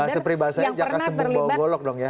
bahasa pribadi saya jaka sembuh bawah golok dong ya